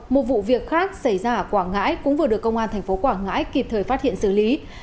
một vụ việc khác xảy ra ở quảng ngãi cũng vừa được công an thành phố quảng ngãi kịp thời phát hiện xử lý